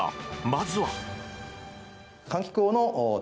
まずは。